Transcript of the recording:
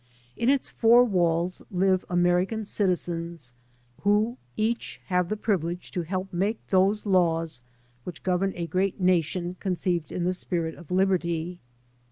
In its four walls live American citizens, who each have the privilege to help make those laws which govern a great nation conceived in the spirit of liberty.